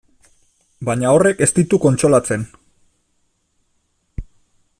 Baina horrek ez ditu kontsolatzen.